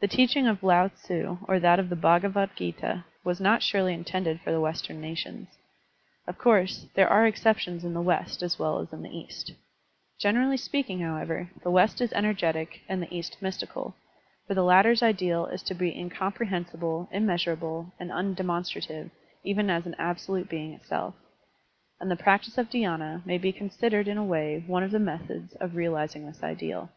The teaching of .Lao tze or that of the Bhagavad^ta was not surely intended for the Western nations. Of course, there are exceptions in the West as well as in the East. Generally Digitized by Google 154 SERMONS OP A BUDDHIST ABBOT Speaking, however, the West is energetic, and the East mystical; for the latter's ideal is to be incomprehensible, immeasurable, and tmdemon strative even as an absolute being itself. And the practice of dhydna may be considered in a way one of the methods of realizing this ideal.